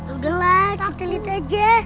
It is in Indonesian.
udah lah kita lihat aja